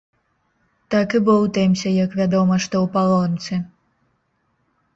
Так і боўтаемся як вядома што ў палонцы.